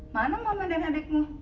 mana mama dan adikmu